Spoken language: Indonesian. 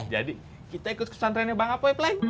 jadi kita ikut ke persantrenya bang apoi pleng